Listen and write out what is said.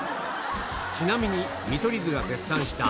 ちなみに見取り図が絶賛した